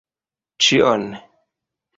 Ĉion!